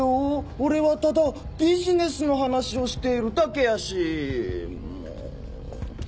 俺はただビジネスの話をしているだけやしもう。